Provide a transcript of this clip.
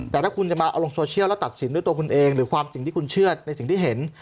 แต่ถ้าคุณจะมาเอาลงโซเชียลแล้วตัดสินด้วยตัวคุณเองหรือความสิ่งที่คุณเชื่อในสิ่งที่เห็น